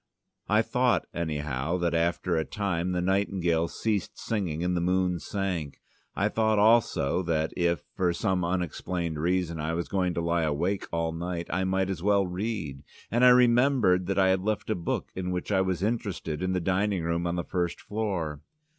I thought, anyhow, that after a time the nightingales ceased singing and the moon sank. I thought also that if, for some unexplained reason, I was going to lie awake all night, I might as well read, and I remembered that I had left a book in which I was interested in the dining room on the first floor.